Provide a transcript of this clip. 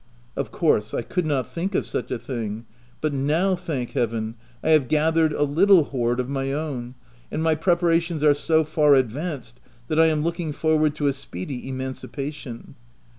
Of course I could not think of such a thing; — but now, thank Heaven, I have gathered a little hoard of my own, and my pre parations are so far advanced, that I am looking forward to a speedy emancipation.